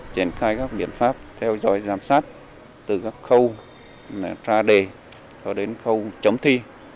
triển khai các biện pháp theo dõi giám sát từ các khâu ra đề cho đến khâu chấm thi